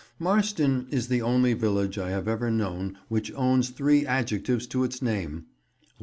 Marston is the only village I have ever known which owns three adjectives to its name.